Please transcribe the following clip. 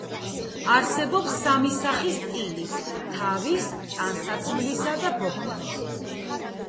არსებობს სამი სახის ტილი: თავის, ტანსაცმლისა და ბოქვენის.